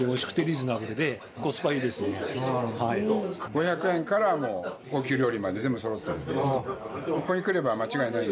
５００円からもう高級料理まで全部そろってるので。